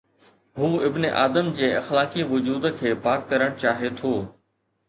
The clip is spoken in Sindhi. هو ابن آدم جي اخلاقي وجود کي پاڪ ڪرڻ چاهي ٿو.